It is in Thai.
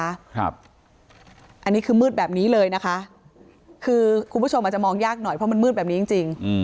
อันนี้คือมืดแบบนี้เลยนะคะคือคุณผู้ชมอาจจะมองยากหน่อยเพราะมันมืดแบบนี้จริง